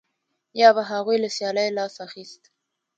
یا به هغوی له سیالۍ لاس اخیست